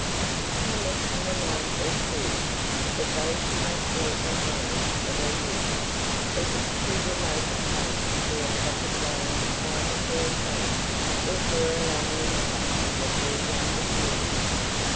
He meant to remind her, too, that though she must leave the home of her youth, it was too remote a place to be a proper dwelling either for herself or for her lonely mother and the three younger children.